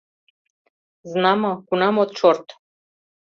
— Знамо, кунам от шорт.